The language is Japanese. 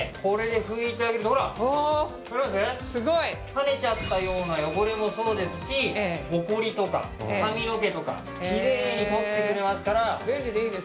跳ねちゃったような汚れもそうですしホコリとか髪の毛とかきれいに取ってくれますから。